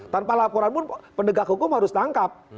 tanpa laporan pun pendegak hukum harus tangkap